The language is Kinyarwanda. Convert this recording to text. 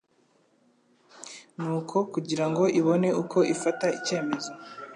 Nuko kugira ngo ibone uko ifata icyemezo,